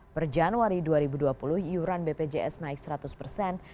per januari dua ribu dua puluh iuran bpjs naik seratus persen